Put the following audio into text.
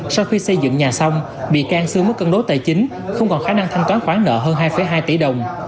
sau khi xây dựng nhà xong bị can xương mất cân đối tài chính không còn khả năng thanh toán khoản nợ hơn hai hai tỷ đồng